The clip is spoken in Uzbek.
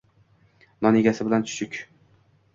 Non egasi bilan chuchuk!